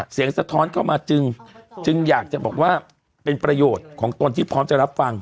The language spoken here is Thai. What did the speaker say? สะท้อนเข้ามาจึงจึงอยากจะบอกว่าเป็นประโยชน์ของตนที่พร้อมจะรับฟัง